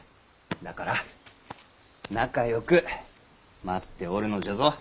だから仲よく待っておるのじゃぞ。